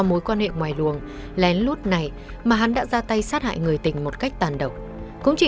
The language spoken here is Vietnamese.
mối quan hệ ngoài luồng lén lút này mà hắn đã ra tay sát hại người tình một cách tàn độc cũng chỉ